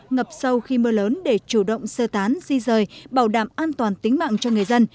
ngập sâu khi mưa lớn để chủ động sơ tán di rời bảo đảm an toàn tính mạng cho người dân